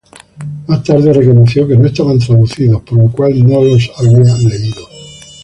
Más tarde reconoció que no estaban traducidos, por lo cual no los había leído.